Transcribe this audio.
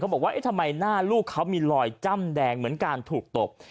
บอกว่าทำไมหน้าลูกเขามีรอยจ้ำแดงเหมือนการถูกตบ